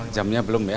jamnya belum ya